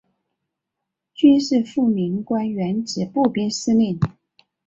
军事护民官原指步兵司令。